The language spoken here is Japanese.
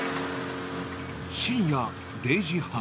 深夜０時半。